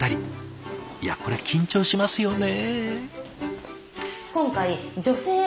いやこれ緊張しますよね。